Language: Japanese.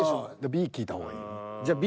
Ｂ聞いた方がいい。